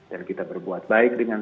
dan kita berbuat baik dengan